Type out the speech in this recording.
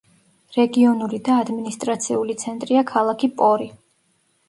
რეგიონული და ადმინისტრაციული ცენტრია ქალაქი პორი.